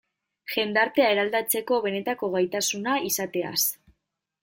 Jendartea eraldatzeko benetako gaitasuna izateaz.